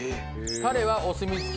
タレは「お墨付き」